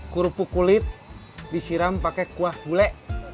kurupu kulit disiram pakai kuah bule